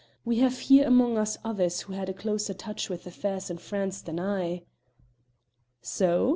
We have here among us others who had a closer touch with affairs in France than I." "So?"